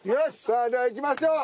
さあではいきましょう。